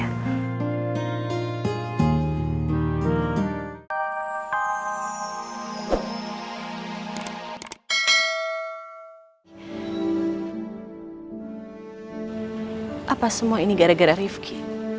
apa semua ini gara gara rifki